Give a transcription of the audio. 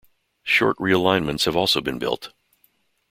Short realignments have also been built.